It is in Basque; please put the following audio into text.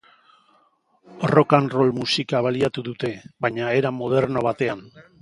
Rock-and-roll musika baliatu dute, baina era moderno batean.